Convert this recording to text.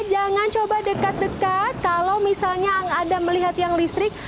jangan coba dekat dekat kalau misalnya anda melihat tiang listrik